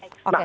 oke baik baik